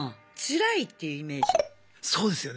そうですよね。